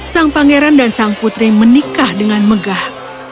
sang pangeran dan sang putri menikah dengan megah